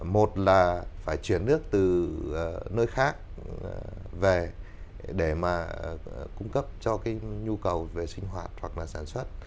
một là phải chuyển nước từ nơi khác về để mà cung cấp cho cái nhu cầu về sinh hoạt hoặc là sản xuất